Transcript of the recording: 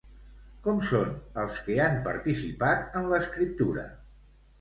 Com són els que han participat en l'escriptura?